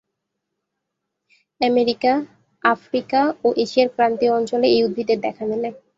America, Africa ও এশিয়ার ক্রান্তীয় অঞ্চলে এই উদ্ভিদের দেখা মেলে।